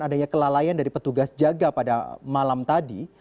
adanya kelalaian dari petugas jaga pada malam tadi